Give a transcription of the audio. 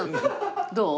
どう？